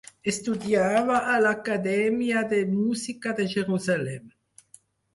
Estudiava a l'Acadèmia de Música de Jerusalem.